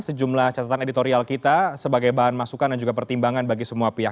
sejumlah catatan editorial kita sebagai bahan masukan dan juga pertimbangan bagi semua pihak